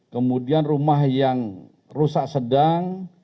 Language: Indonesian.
kemudian rumah yang rusak sedang